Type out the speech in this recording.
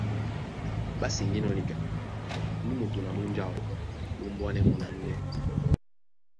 Ɓá seŋgínɔ́ níka nú moto na nú munja áō ɓá ombwanɛ̌ mɔɔ́ na núnɛ́.